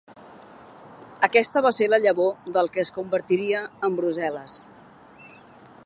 Aquesta va ser la llavor del que es convertiria en Brussel·les.